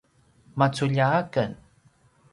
maculja aken